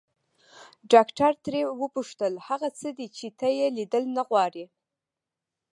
ډاکټر ترې وپوښتل هغه څه دي چې ته يې ليدل نه غواړې.